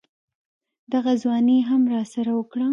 دغه ځواني يې هم راسره وکړه.